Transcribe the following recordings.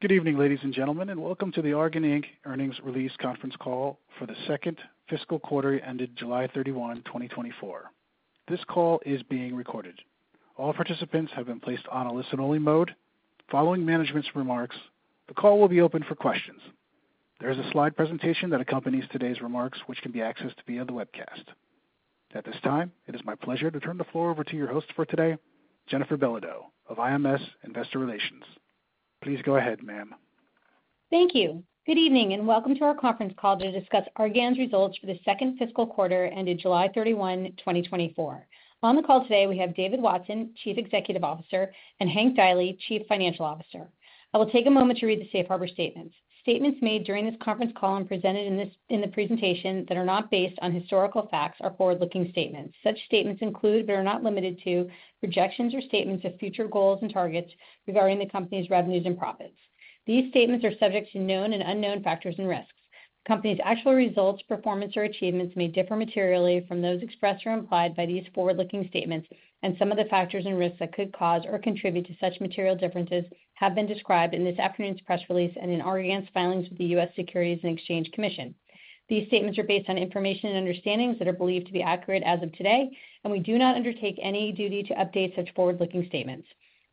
Good evening, ladies and gentlemen, and welcome to the Argan, Inc earnings release conference call for the second fiscal quarter ended July 31, 2024. This call is being recorded. All participants have been placed on a listen-only mode. Following management's remarks, the call will be open for questions. There is a slide presentation that accompanies today's remarks, which can be accessed via the webcast. At this time, it is my pleasure to turn the floor over to your host for today, Jennifer Belodeau of IMS Investor Relations. Please go ahead, ma'am. Thank you. Good evening, and welcome to our conference call to discuss Argan's results for the second fiscal quarter ended July 31, 2024. On the call today, we have David Watson, Chief Executive Officer, and Hank Deily, Chief Financial Officer. I will take a moment to read the Safe Harbor statement. Statements made during this conference call and presented in the presentation that are not based on historical facts are forward-looking statements. Such statements include, but are not limited to, projections or statements of future goals and targets regarding the company's revenues and profits. These statements are subject to known and unknown factors and risks. The company's actual results, performance, or achievements may differ materially from those expressed or implied by these forward-looking statements, and some of the factors and risks that could cause or contribute to such material differences have been described in this afternoon's press release and in Argan's filings with the U.S. Securities and Exchange Commission. These statements are based on information and understandings that are believed to be accurate as of today, and we do not undertake any duty to update such forward-looking statements.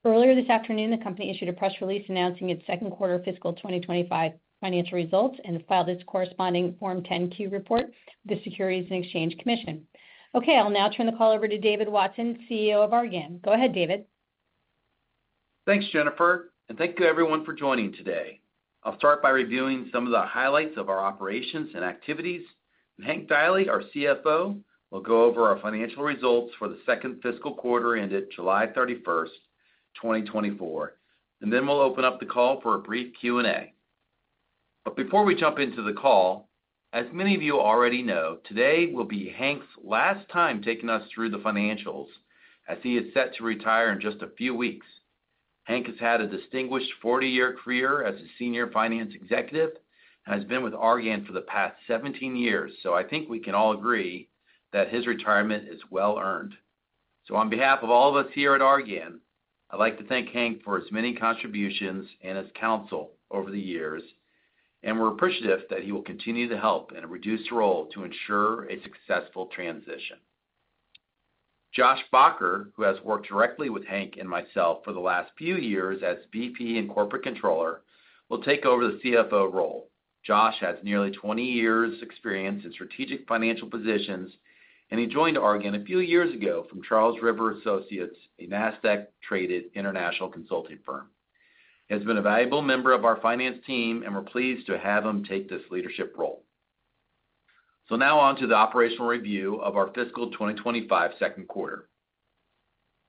Earlier this afternoon, the company issued a press release announcing its second quarter fiscal 2025 financial results and filed its corresponding Form 10-Q report with the Securities and Exchange Commission. Okay, I'll now turn the call over to David Watson, CEO of Argan. Go ahead, David. Thanks, Jennifer, and thank you everyone for joining today. I'll start by reviewing some of the highlights of our operations and activities, and Hank Deily, our CFO, will go over our financial results for the second fiscal quarter ended July 31st, 2024, and then we'll open up the call for a brief Q&A. But before we jump into the call, as many of you already know, today will be Hank's last time taking us through the financials, as he is set to retire in just a few weeks. Hank has had a distinguished 40-year career as a senior finance executive and has been with Argan for the past seventeen years, so I think we can all agree that his retirement is well-earned. So on behalf of all of us here at Argan, I'd like to thank Hank for his many contributions and his counsel over the years, and we're appreciative that he will continue to help in a reduced role to ensure a successful transition. Josh Baugher, who has worked directly with Hank and myself for the last few years as VP and Corporate Controller, will take over the CFO role. Josh has nearly 20 years experience in strategic financial positions, and he joined Argan a few years ago from Charles River Associates, a NASDAQ-traded international consulting firm. He has been a valuable member of our finance team, and we're pleased to have him take this leadership role. So now on to the operational review of our fiscal 2025 second quarter.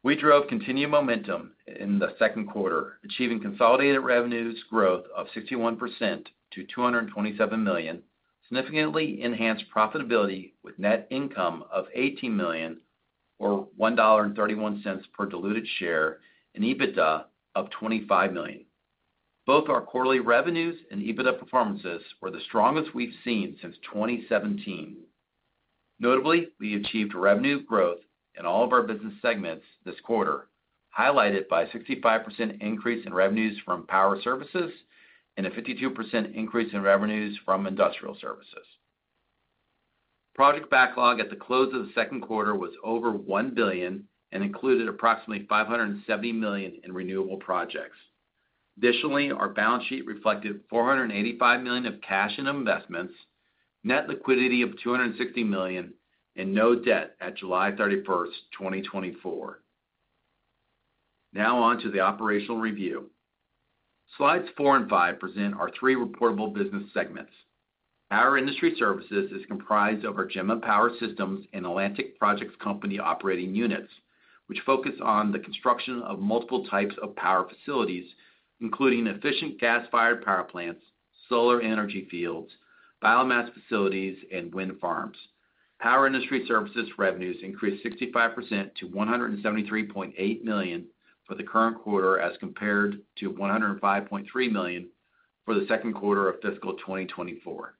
We drove continued momentum in the second quarter, achieving consolidated revenues growth of 61% to $227 million, significantly enhanced profitability with net income of $18 million or $1.31 per diluted share, and EBITDA of $25 million. Both our quarterly revenues and EBITDA performances were the strongest we've seen since 2017. Notably, we achieved revenue growth in all of our business segments this quarter, highlighted by a 65% increase in revenues from power services and a 52% increase in revenues from industrial services. Project backlog at the close of the second quarter was over $1 billion and included approximately $570 million in renewable projects. Additionally, our balance sheet reflected $485 million of cash and investments, net liquidity of $260 million, and no debt at July 31st, 2024. Now on to the operational review. Slides four and five present our three reportable business segments. Power industry services is comprised of our Gemma Power Systems and Atlantic Projects Company operating units, which focus on the construction of multiple types of power facilities, including efficient gas-fired power plants, solar energy fields, biomass facilities, and wind farms. Power industry services revenues increased 65% to $173.8 million for the current quarter, as compared to $105.3 million for the second quarter of fiscal 2024.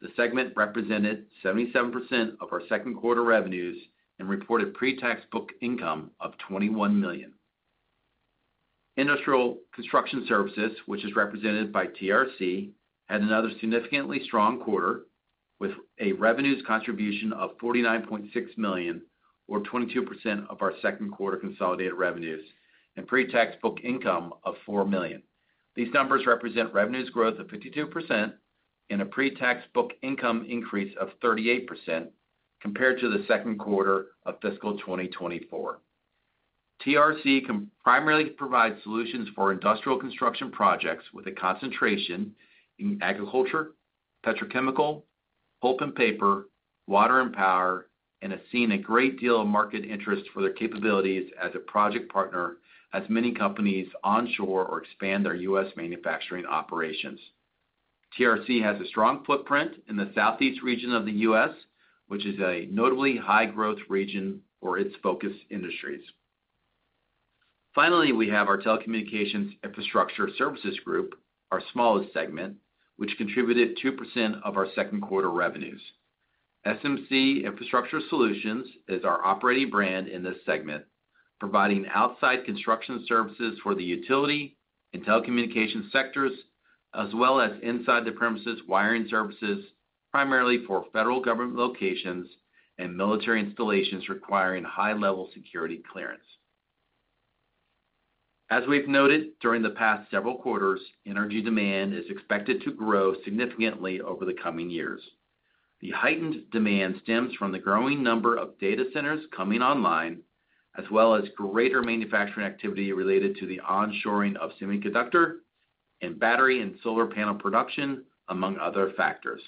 The segment represented 77% of our second quarter revenues and reported pre-tax book income of $21 million. Industrial construction services, which is represented by TRC, had another significantly strong quarter, with a revenues contribution of $49.6 million, or 22% of our second quarter consolidated revenues, and pre-tax book income of $4 million. These numbers represent revenues growth of 52% and a pre-tax book income increase of 38% compared to the second quarter of fiscal 2024. TRC can primarily provide solutions for industrial construction projects with a concentration in agriculture, petrochemical, pulp and paper, water and power, and has seen a great deal of market interest for their capabilities as a project partner, as many companies onshore or expand their U.S. manufacturing operations. TRC has a strong footprint in the Southeast region of the U.S., which is a notably high-growth region for its focus industries. Finally, we have our telecommunications infrastructure services group, our smallest segment, which contributed 2% of our second quarter revenues. SMC Infrastructure Solutions is our operating brand in this segment, providing outside construction services for the utility and telecommunications sectors, as well as inside premises wiring services, primarily for federal government locations and military installations requiring high-level security clearance. As we've noted during the past several quarters, energy demand is expected to grow significantly over the coming years. The heightened demand stems from the growing number of data centers coming online, as well as greater manufacturing activity related to the onshoring of semiconductor and battery and solar panel production, among other factors.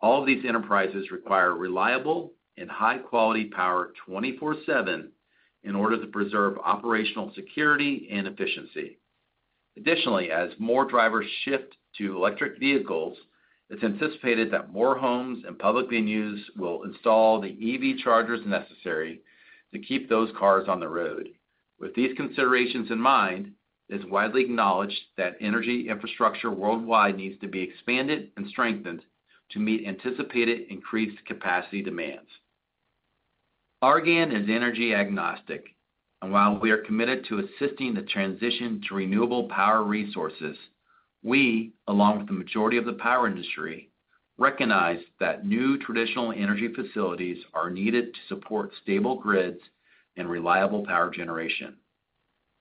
All these enterprises require reliable and high-quality power 24/7, in order to preserve operational security and efficiency. Additionally, as more drivers shift to electric vehicles, it's anticipated that more homes and public venues will install the EV chargers necessary to keep those cars on the road. With these considerations in mind, it's widely acknowledged that energy infrastructure worldwide needs to be expanded and strengthened to meet anticipated increased capacity demands. Argan is energy agnostic, and while we are committed to assisting the transition to renewable power resources, we, along with the majority of the power industry, recognize that new traditional energy facilities are needed to support stable grids and reliable power generation.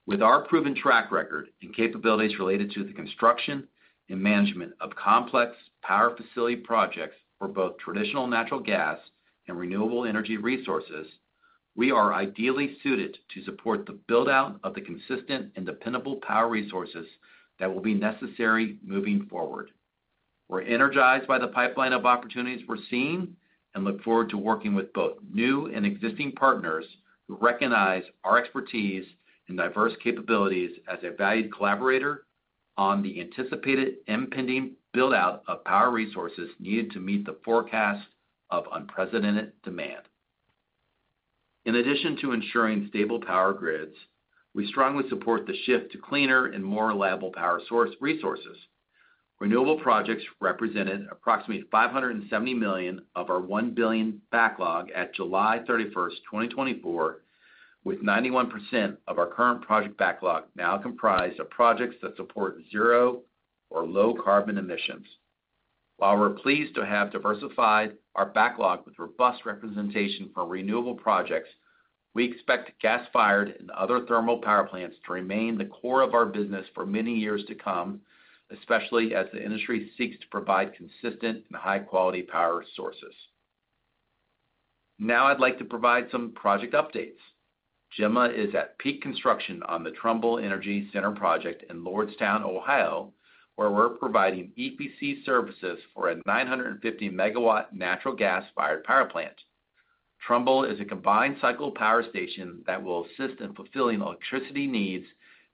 With our proven track record and capabilities related to the construction and management of complex power facility projects for both traditional natural gas and renewable energy resources, we are ideally suited to support the build-out of the consistent and dependable power resources that will be necessary moving forward. We're energized by the pipeline of opportunities we're seeing, and look forward to working with both new and existing partners who recognize our expertise and diverse capabilities as a valued collaborator on the anticipated impending build-out of power resources needed to meet the forecast of unprecedented demand. In addition to ensuring stable power grids, we strongly support the shift to cleaner and more reliable power source resources. Renewable projects represented approximately $570 million of our $1 billion backlog at July 31st, 2024, with 91% of our current project backlog now comprised of projects that support zero or low carbon emissions. While we're pleased to have diversified our backlog with robust representation for renewable projects, we expect gas-fired and other thermal power plants to remain the core of our business for many years to come, especially as the industry seeks to provide consistent and high-quality power sources. Now, I'd like to provide some project updates. Gemma is at peak construction on the Trumbull Energy Center project in Lordstown, Ohio, where we're providing EPC services for a 950 MW natural gas-fired power plant. Trumbull is a combined cycle power station that will assist in fulfilling electricity needs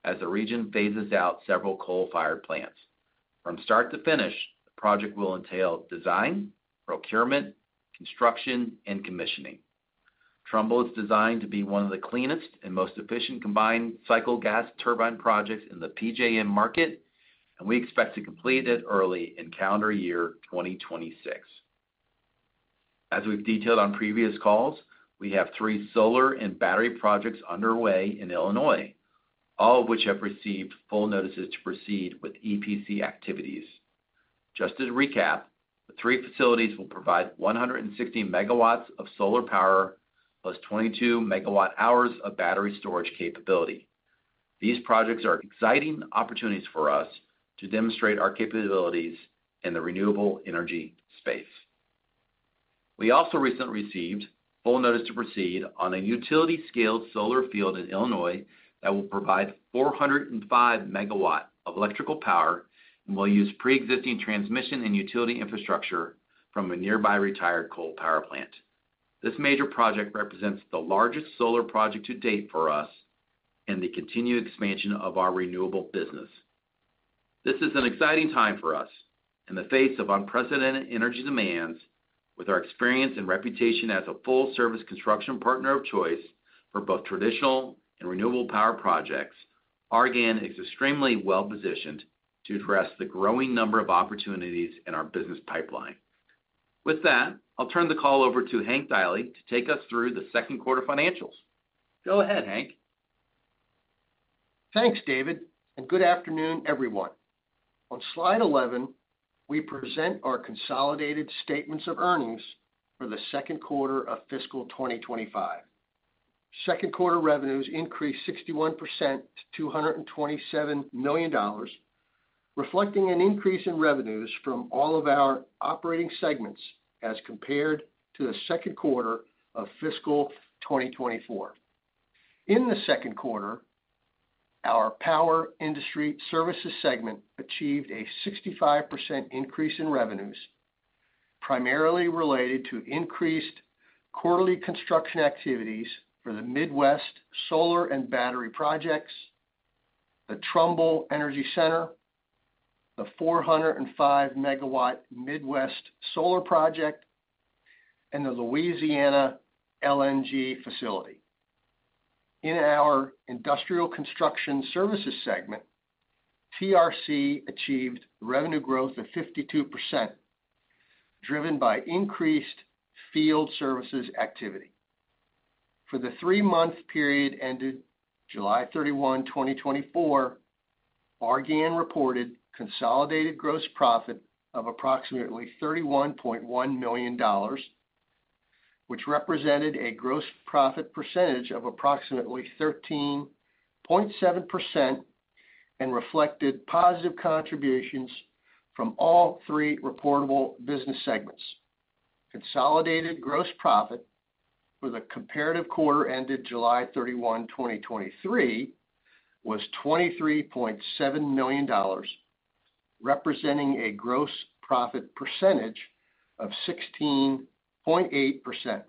as the region phases out several coal-fired plants. From start to finish, the project will entail design, procurement, construction, and commissioning. Trumbull is designed to be one of the cleanest and most efficient combined cycle gas turbine projects in the PJM market, and we expect to complete it early in calendar year 2026. As we've detailed on previous calls, we have three solar and battery projects underway in Illinois, all of which have received Full Notices to proceed with EPC activities. Just to recap, the three facilities will provide 160 MW of solar power, +22 MWh of battery storage capability. These projects are exciting opportunities for us to demonstrate our capabilities in the renewable energy space. We also recently received full notice to proceed on a utility-scale solar field in Illinois that will provide 405 MW of electrical power and will use pre-existing transmission and utility infrastructure from a nearby retired coal power plant. This major project represents the largest solar project to date for us and the continued expansion of our renewable business. This is an exciting time for us. In the face of unprecedented energy demands, with our experience and reputation as a full-service construction partner of choice for both traditional and renewable power projects, Argan is extremely well-positioned to address the growing number of opportunities in our business pipeline. With that, I'll turn the call over to Hank Deily to take us through the second quarter financials. Go ahead, Hank. Thanks, David, and good afternoon, everyone. On slide 11, we present our consolidated statements of earnings for the second quarter of fiscal 2025. Second quarter revenues increased 61% to $227 million, reflecting an increase in revenues from all of our operating segments as compared to the second quarter of fiscal 2024. In the second quarter, our power industry services segment achieved a 65% increase in revenues, primarily related to increased quarterly construction activities for the Midwest Solar and Battery projects, the Trumbull Energy Center, the 405 MW Midwest Solar project, and the Louisiana LNG facility. In our industrial construction services segment, TRC achieved revenue growth of 52%, driven by increased field services activity. For the three-month period ended July 31, 2024, Argan reported consolidated gross profit of approximately $31.1 million, which represented a gross profit percentage of approximately 13.7% and reflected positive contributions from all three reportable business segments. Consolidated gross profit for the comparative quarter ended July 31, 2023, was $23.7 million, representing a gross profit percentage of 16.8%. The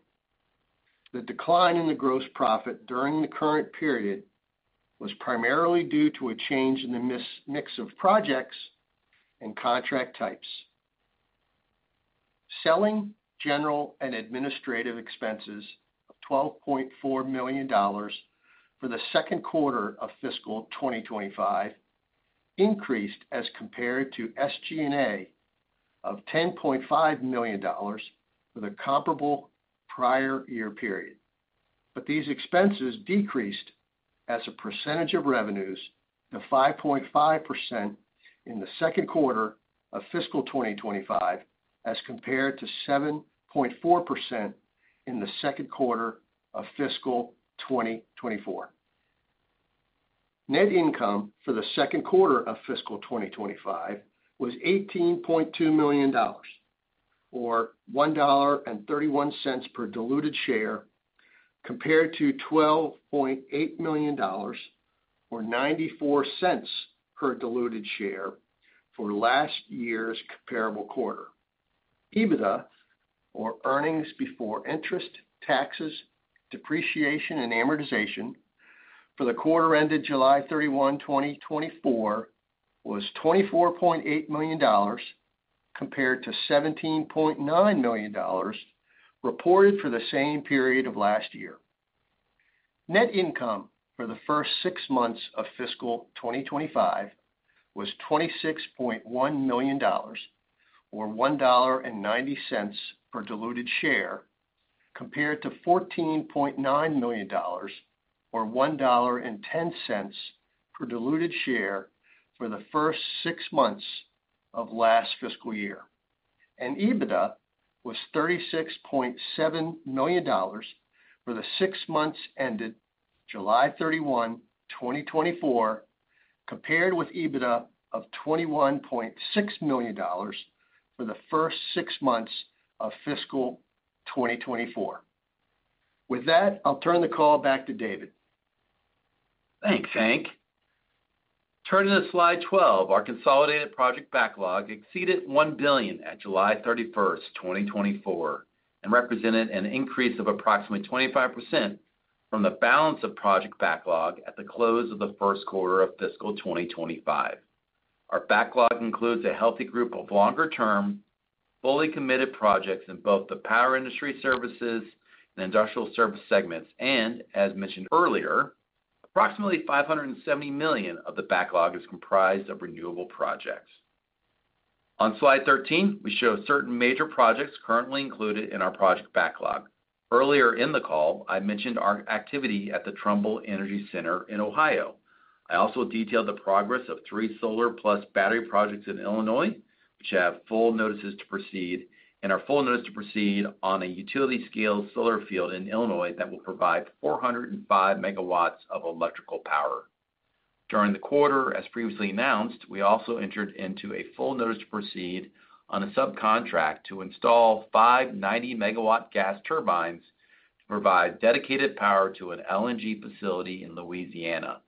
decline in the gross profit during the current period was primarily due to a change in the mix of projects and contract types. Selling, general, and administrative expenses of $12.4 million for the second quarter of fiscal 2025 increased as compared to SG&A of $10.5 million for the comparable prior year period. But these expenses decreased as a percentage of revenues to 5.5% in the second quarter of fiscal 2025, as compared to 7.4% in the second quarter of fiscal 2024. Net income for the second quarter of fiscal 2025 was $18.2 million, or $1.31 per diluted share, compared to $12.8 million, or $0.94 per diluted share for last year's comparable quarter. EBITDA, or earnings before interest, taxes, depreciation, and amortization, for the quarter ended July 31, 2024, was $24.8 million, compared to $17.9 million reported for the same period of last year. Net income for the first six months of fiscal 2025 was $26.1 million, or $1.90 per diluted share, compared to $14.9 million, or $1.10 per diluted share for the first six months of last fiscal year, and EBITDA was $36.7 million for the six months ended July 31, 2024, compared with EBITDA of $21.6 million for the first six months of fiscal 2024. With that, I'll turn the call back to David. Thanks, Hank. Turning to Slide 12, our consolidated project backlog exceeded $1 billion at July 31st, 2024, and represented an increase of approximately 25% from the balance of project backlog at the close of the first quarter of fiscal 2025. Our backlog includes a healthy group of longer-term, fully committed projects in both the power industry services and industrial service segments, and as mentioned earlier, approximately $570 million of the backlog is comprised of renewable projects. On Slide 13, we show certain major projects currently included in our project backlog. Earlier in the call, I mentioned our activity at the Trumbull Energy Center in Ohio. I also detailed the progress of three solar plus battery projects in Illinois, which have full notices to proceed, and our full notice to proceed on a utility-scale solar field in Illinois that will provide 405 MW of electrical power. During the quarter, as previously announced, we also entered into a full notice to proceed on a subcontract to install five 90 MW gas turbines to provide dedicated power to an LNG facility in Louisiana.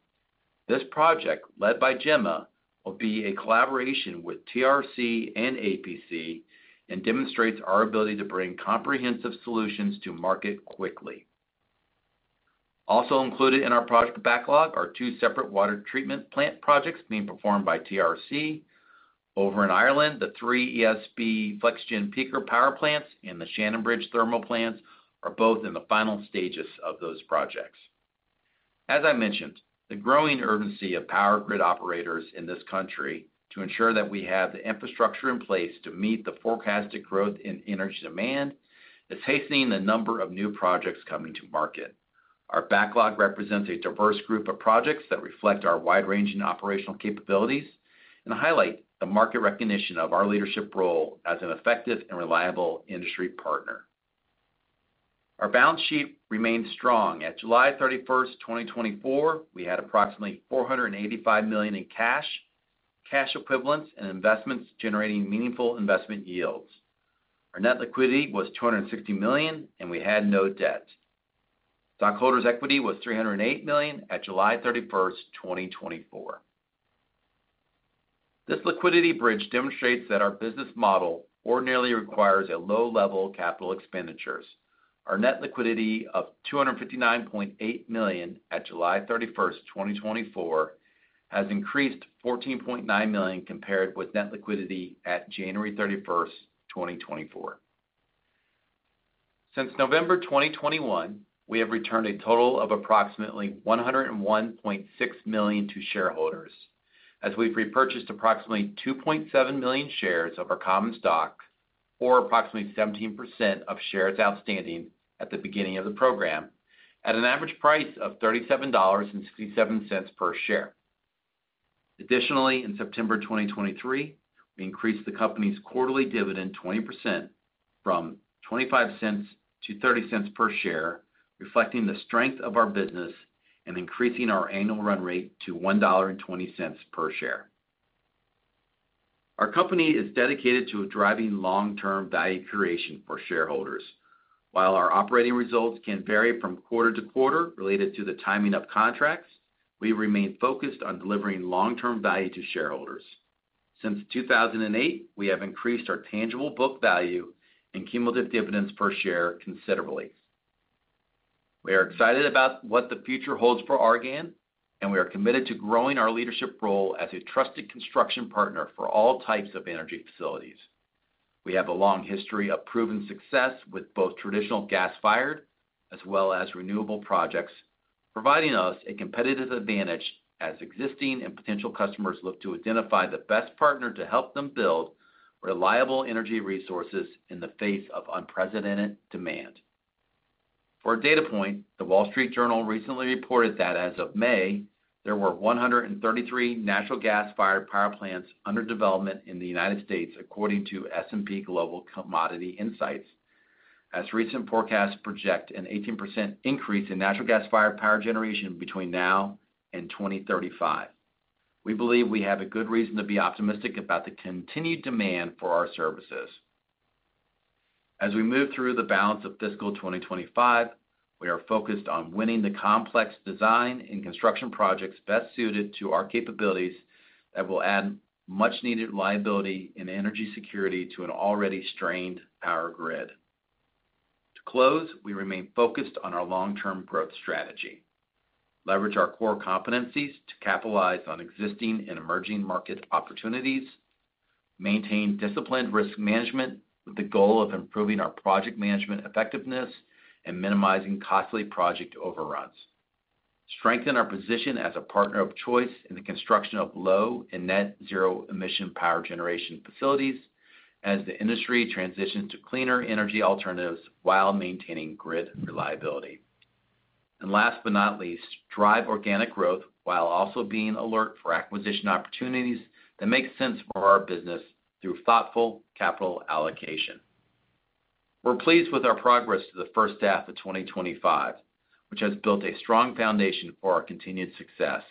This project, led by Gemma, will be a collaboration with TRC and APC and demonstrates our ability to bring comprehensive solutions to market quickly. Also included in our project backlog are two separate water treatment plant projects being performed by TRC. Over in Ireland, the three ESB FlexGen peaker power plants and the Shannonbridge thermal plants are both in the final stages of those projects. As I mentioned, the growing urgency of power grid operators in this country to ensure that we have the infrastructure in place to meet the forecasted growth in energy demand is hastening the number of new projects coming to market. Our backlog represents a diverse group of projects that reflect our wide-ranging operational capabilities and highlight the market recognition of our leadership role as an effective and reliable industry partner. Our balance sheet remained strong. At July 31st, 2024, we had approximately $485 million in cash, cash equivalents, and investments generating meaningful investment yields. Our net liquidity was $260 million, and we had no debt. Stockholders' equity was $308 million at July 31st, 2024. This liquidity bridge demonstrates that our business model ordinarily requires a low level of capital expenditures. Our net liquidity of $259.8 million at July 31, 2024, has increased $14.9 million compared with net liquidity at January 31, 2024. Since November 2021, we have returned a total of approximately $101.6 million to shareholders, as we've repurchased approximately 2.7 million shares of our common stock, or approximately 17% of shares outstanding at the beginning of the program, at an average price of $37.67 per share. Additionally, in September 2023, we increased the company's quarterly dividend 20% from $0.25 to $0.30 per share, reflecting the strength of our business and increasing our annual run rate to $1.20 per share. Our company is dedicated to driving long-term value creation for shareholders. While our operating results can vary from quarter to quarter related to the timing of contracts, we remain focused on delivering long-term value to shareholders. Since 2008, we have increased our tangible book value and cumulative dividends per share considerably. We are excited about what the future holds for Argan, and we are committed to growing our leadership role as a trusted construction partner for all types of energy facilities. We have a long history of proven success with both traditional gas-fired as well as renewable projects, providing us a competitive advantage as existing and potential customers look to identify the best partner to help them build reliable energy resources in the face of unprecedented demand. For a data point, The Wall Street Journal recently reported that as of May, there were 133 natural gas-fired power plants under development in the United States, according to S&P Global Commodity Insights, as recent forecasts project an 18% increase in natural gas-fired power generation between now and 2035. We believe we have a good reason to be optimistic about the continued demand for our services. As we move through the balance of fiscal 2025, we are focused on winning the complex design and construction projects best suited to our capabilities that will add much-needed reliability and energy security to an already strained power grid. To close, we remain focused on our long-term growth strategy, leverage our core competencies to capitalize on existing and emerging market opportunities, maintain disciplined risk management with the goal of improving our project management effectiveness and minimizing costly project overruns. Strengthen our position as a partner of choice in the construction of low and net zero emission power generation facilities as the industry transitions to cleaner energy alternatives while maintaining grid reliability, and last but not least, drive organic growth while also being alert for acquisition opportunities that make sense for our business through thoughtful capital allocation. We're pleased with our progress to the first half of 2025, which has built a strong foundation for our continued success.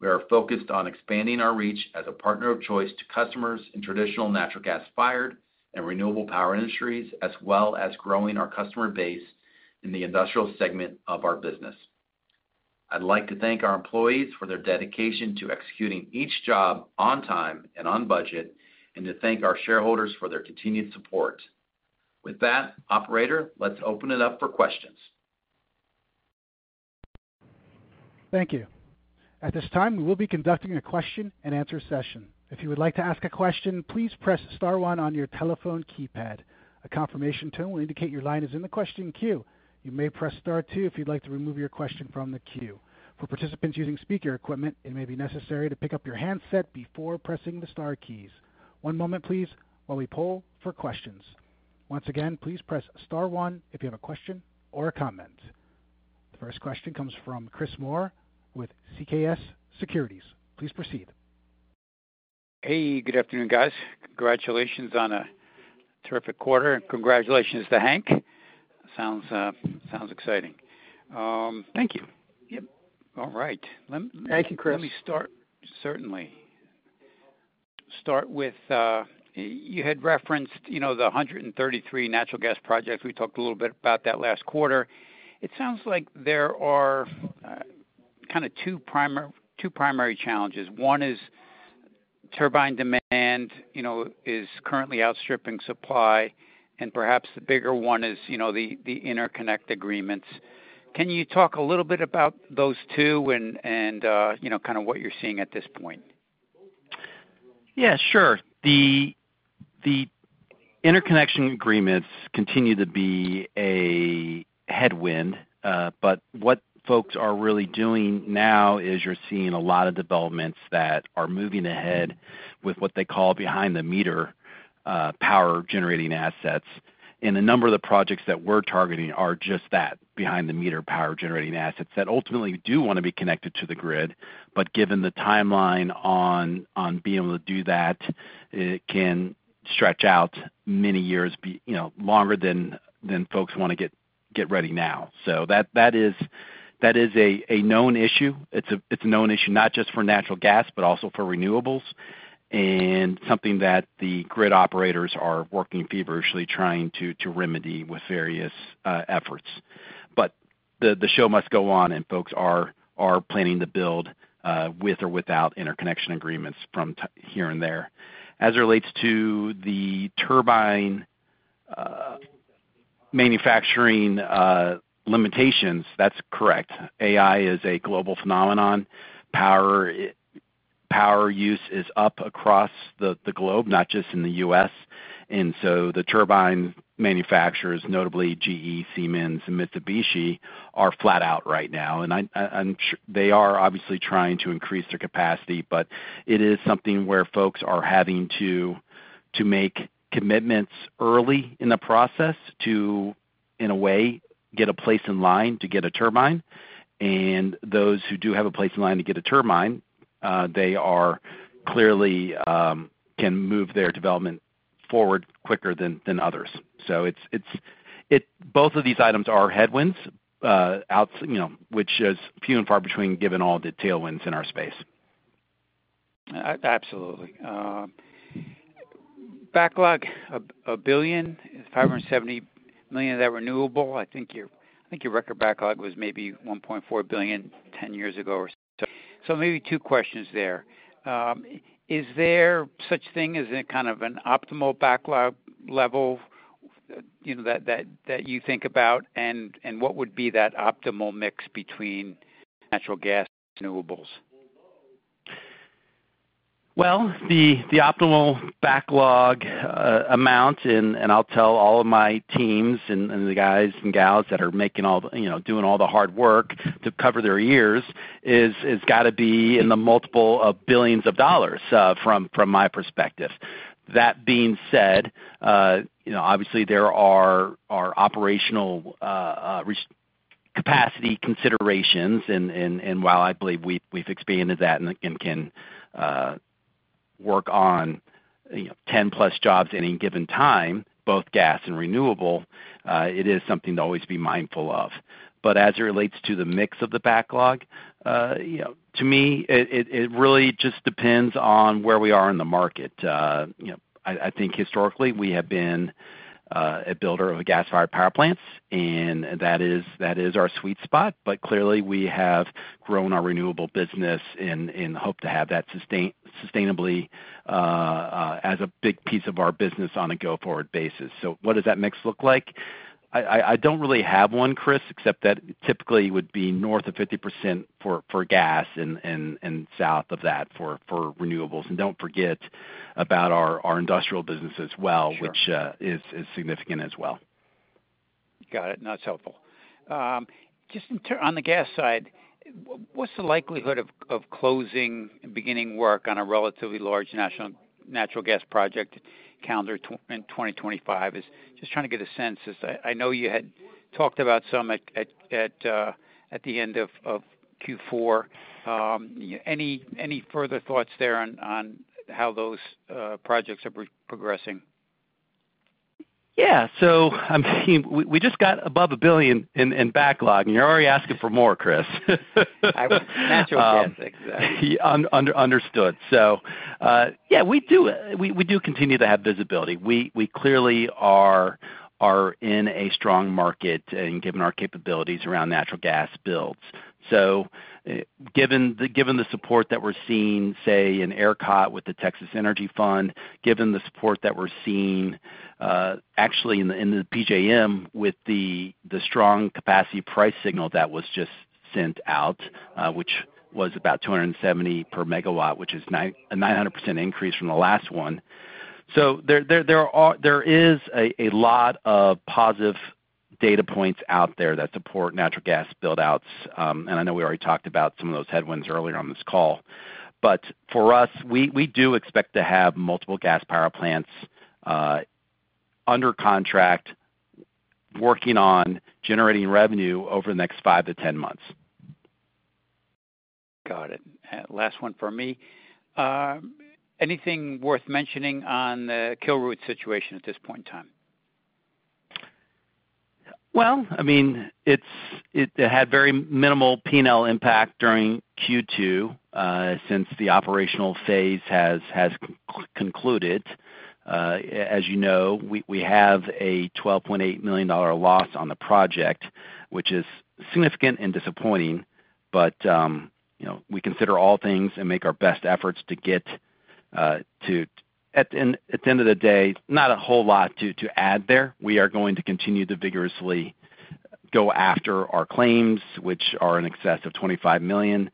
We are focused on expanding our reach as a partner of choice to customers in traditional natural gas-fired and renewable power industries, as well as growing our customer base in the industrial segment of our business. I'd like to thank our employees for their dedication to executing each job on time and on budget, and to thank our shareholders for their continued support. With that, operator, let's open it up for questions. Thank you. At this time, we will be conducting a question-and-answer session. If you would like to ask a question, please press star one on your telephone keypad. A confirmation tone will indicate your line is in the question queue. You may press star two if you'd like to remove your question from the queue. For participants using speaker equipment, it may be necessary to pick up your handset before pressing the star keys. One moment please, while we poll for questions. Once again, please press star one if you have a question or a comment. The first question comes from Chris Moore with CJS Securities. Please proceed. Hey, good afternoon, guys. Congratulations on a terrific quarter, and congratulations to Hank. Sounds exciting. Thank you. Yep. All right. Thank you, Chris. Let me start, certainly. Start with, you had referenced, you know, the hundred and thirty-three natural gas projects. We talked a little bit about that last quarter. It sounds like there are, kinda two primary challenges. One is turbine demand, you know, is currently outstripping supply, and perhaps the bigger one is, you know, the interconnection agreements. Can you talk a little bit about those two and, you know, kinda what you're seeing at this point? Yeah, sure. The interconnection agreements continue to be a headwind, but what folks are really doing now is you're seeing a lot of developments that are moving ahead with what they call behind the meter power-generating assets. And a number of the projects that we're targeting are just that, behind the meter power-generating assets, that ultimately do wanna be connected to the grid. But given the timeline on being able to do that, it can stretch out many years you know, longer than folks wanna get ready now. So that is a known issue. It's a known issue, not just for natural gas, but also for renewables, and something that the grid operators are working feverishly, trying to remedy with various efforts. But the show must go on, and folks are planning to build with or without interconnection agreements from here and there. As it relates to the turbine manufacturing limitations, that's correct. AI is a global phenomenon. Power use is up across the globe, not just in the U.S., and so the turbine manufacturers, notably GE, Siemens, and Mitsubishi, are flat out right now. And they are obviously trying to increase their capacity, but it is something where folks are having to make commitments early in the process to, in a way, get a place in line to get a turbine. And those who do have a place in line to get a turbine, they are clearly can move their development forward quicker than others. It's both of these items are headwinds, you know, which is few and far between, given all the tailwinds in our space. Absolutely. Backlog of $1 billion, $570 million of that renewable. I think your record backlog was maybe $1.4 billion ten years ago or so. So maybe two questions there. Is there such a thing as a kind of an optimal backlog level, you know, that you think about? And what would be that optimal mix between natural gas and renewables? The optimal backlog amount, and I'll tell all of my teams and the guys and gals that are making all you know doing all the hard work to cover their ears, is gotta be in the multiple of billions of dollars, from my perspective. That being said, you know, obviously there are operational resource capacity considerations and while I believe we've expanded that and can work on, you know, 10+ jobs at any given time, both gas and renewable, it is something to always be mindful of. But as it relates to the mix of the backlog, you know, to me, it really just depends on where we are in the market. You know, I think historically, we have been a builder of gas-fired power plants, and that is our sweet spot, but clearly we have grown our renewable business and hope to have that sustainably as a big piece of our business on a go-forward basis. So what does that mix look like? I don't really have one, Chris, except that typically would be north of 50% for gas and south of that for renewables. And don't forget about our industrial business as well- Sure. - which is significant as well. Got it. No, that's helpful. Just on the gas side, what's the likelihood of closing and beginning work on a relatively large natural gas project in 2025? Just trying to get a sense, as I know you had talked about some at the end of Q4. Any further thoughts there on how those projects are progressing? Yeah. So I mean, we just got above a billion in backlog, and you're already asking for more, Chris. Understood. So, yeah, we do continue to have visibility. We clearly are in a strong market and given our capabilities around natural gas builds. So, given the support that we're seeing, say, in ERCOT with the Texas Energy Fund, given the support that we're seeing, actually in the PJM with the strong capacity price signal that was just sent out, which was about 270 per megawatt, which is a 900% increase from the last one. So there are a lot of positive data points out there that support natural gas buildouts. And I know we already talked about some of those headwinds earlier on this call. But for us, we do expect to have multiple gas power plants under contract, working on generating revenue over the next 5-10 months. Got it. Last one for me. Anything worth mentioning on the Kilroot situation at this point in time? I mean, it had very minimal P&L impact during Q2, since the operational phase has concluded. As you know, we have a $12.8 million loss on the project, which is significant and disappointing, but you know, we consider all things and make our best efforts to get to. At the end of the day, not a whole lot to add there. We are going to continue to vigorously go after our claims, which are in excess of $25 million,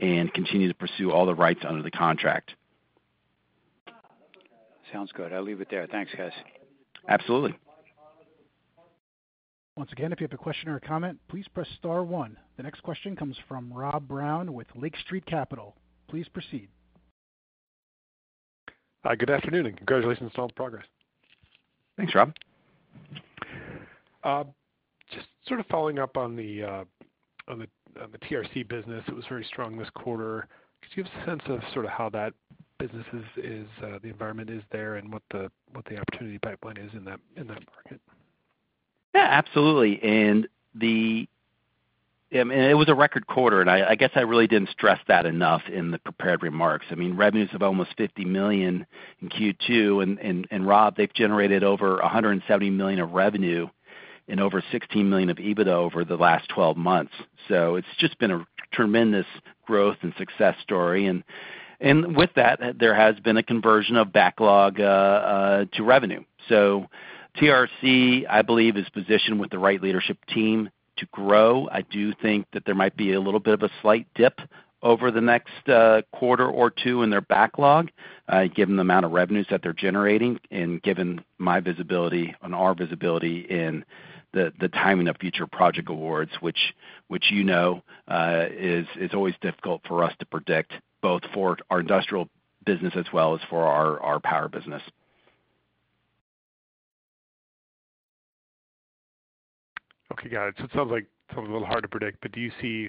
and continue to pursue all the rights under the contract. Sounds good. I'll leave it there. Thanks, guys. Absolutely. Once again, if you have a question or a comment, please press star one. The next question comes from Rob Brown with Lake Street Capital. Please proceed. Good afternoon, and congratulations on all the progress. Thanks, Rob. Just sort of following up on the TRC business, it was very strong this quarter. Could you give a sense of sort of how that business is, the environment is there, and what the opportunity pipeline is in that market? Yeah, absolutely. And I mean, it was a record quarter, and I guess I really didn't stress that enough in the prepared remarks. I mean, revenues of almost $50 million in Q2, and Rob, they've generated over $170 million of revenue and over $16 million of EBITDA over the last 12 months. So it's just been a tremendous growth and success story. And with that, there has been a conversion of backlog to revenue. So TRC, I believe, is positioned with the right leadership team to grow. I do think that there might be a little bit of a slight dip over the next quarter or two in their backlog, given the amount of revenues that they're generating and given my visibility and our visibility in the timing of future project awards, which you know is always difficult for us to predict, both for our industrial business as well as for our power business. Okay, got it. So it sounds like it's a little hard to predict, but do you see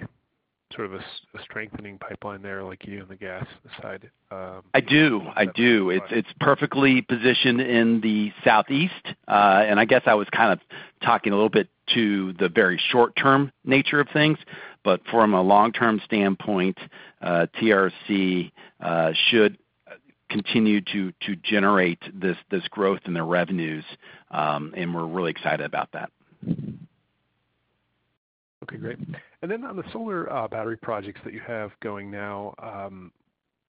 sort of a strengthening pipeline there, like you do on the gas side? I do. I do. It's perfectly positioned in the Southeast, and I guess I was kind of talking a little bit to the very short-term nature of things, but from a long-term standpoint, TRC should continue to generate this growth in their revenues, and we're really excited about that. Okay, great. And then on the solar battery projects that you have going now,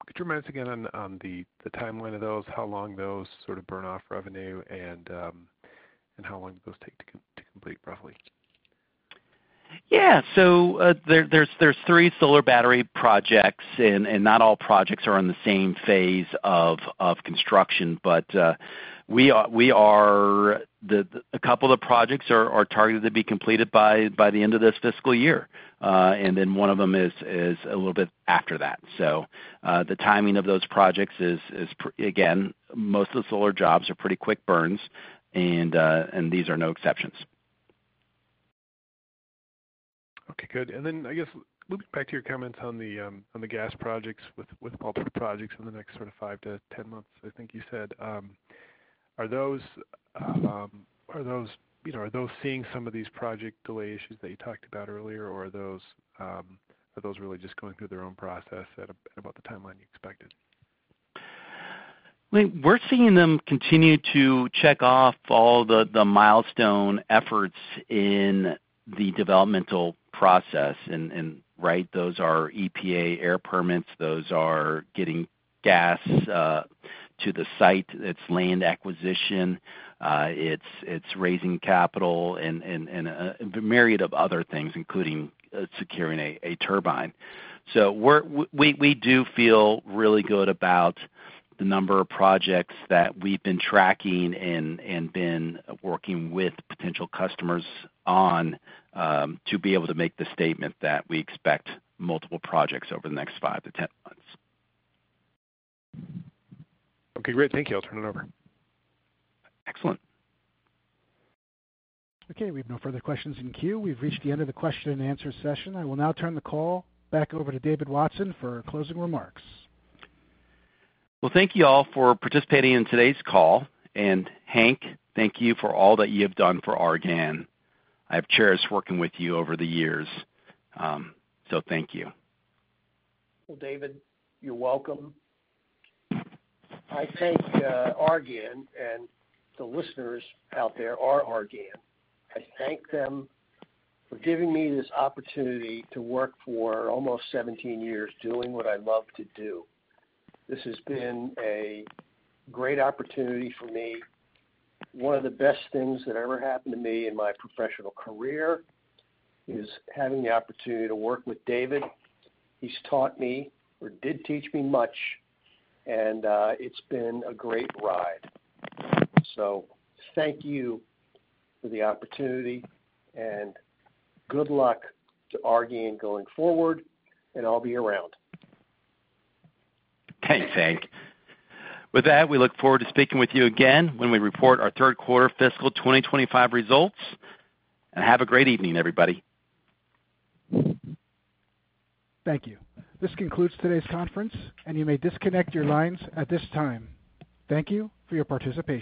could you remind us again on the timeline of those, how long those sort of burn off revenue and how long do those take to complete, roughly? Yeah. So, there are three solar battery projects, and not all projects are on the same phase of construction. But, we are... A couple of projects are targeted to be completed by the end of this fiscal year. And then one of them is a little bit after that. So, the timing of those projects is... again, most of the solar jobs are pretty quick burns, and these are no exceptions. Okay, good. And then, I guess looping back to your comments on the gas projects, with multiple projects in the next sort of 5-10 months, I think you said, are those, you know, seeing some of these project delay issues that you talked about earlier, or are those really just going through their own process at about the timeline you expected? We're seeing them continue to check off all the milestone efforts in the developmental process, and right, those are EPA air permits, those are getting gas to the site. It's land acquisition, it's raising capital and a myriad of other things, including securing a turbine. So we do feel really good about the number of projects that we've been tracking and been working with potential customers on to be able to make the statement that we expect multiple projects over the next 5-10 months. Okay, great. Thank you. I'll turn it over. Excellent. Okay, we have no further questions in queue. We've reached the end of the question and answer session. I will now turn the call back over to David Watson for closing remarks. Thank you all for participating in today's call. Hank, thank you for all that you have done for Argan. I have cherished working with you over the years. Thank you. Well, David, you're welcome. I thank, Argan, and the listeners out there are Argan. I thank them for giving me this opportunity to work for almost 17 years doing what I love to do. This has been a great opportunity for me. One of the best things that ever happened to me in my professional career is having the opportunity to work with David. He's taught me, or did teach me, much, and, it's been a great ride. So thank you for the opportunity, and good luck to Argan going forward, and I'll be around. Thanks, Hank. With that, we look forward to speaking with you again when we report our third quarter fiscal 2025 results, and have a great evening, everybody. Thank you. This concludes today's conference, and you may disconnect your lines at this time. Thank you for your participation.